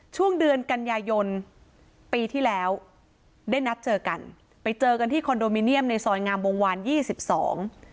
ช่วงเดือนกันยายนปีที่แล้วได้นัดเจอกันไปเจอกันที่คอนโดมิเนียมในซอยงามวงวานยี่สิบสอง